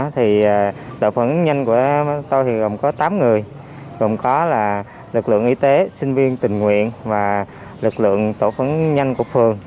tổ phản ứng nhanh của tôi gồm có tám người gồm có lực lượng y tế sinh viên tình nguyện và lực lượng tổ phản ứng nhanh của phường